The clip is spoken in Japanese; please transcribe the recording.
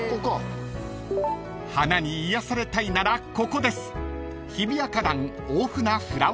［花に癒やされたいならここです］